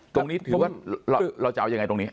ตรงนี้ถือว่าเราจะเอายังไงตรงนี้